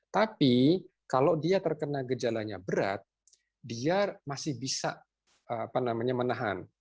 tapi kalau dia terkena gejalanya berat dia masih bisa menahan